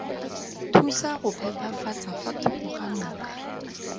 Thusa go phepafatsa fa thoko ga noka.